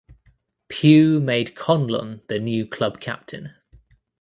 Pugh made Conlon the new club captain.